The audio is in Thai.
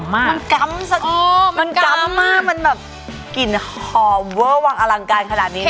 มันกำซะเองมันกำมากมันแบบกลิ่นหอมเวอร์วังอลังการขนาดนี้